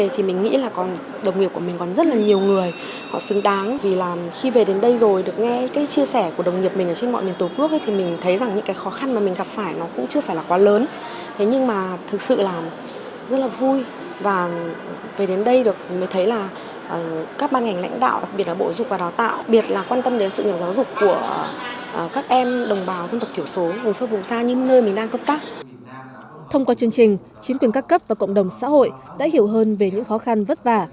thông qua chương trình chính quyền các cấp và cộng đồng xã hội đã hiểu hơn về những khó khăn vất vả